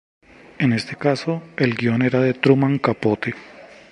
En este caso el guion era de Truman Capote.